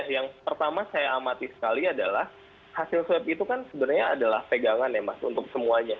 yang pertama saya amati sekali adalah hasil swab itu kan sebenarnya adalah pegangan ya mas untuk semuanya